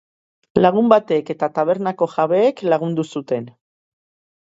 Lagun batek eta tabernako jabeek lagundu zuten.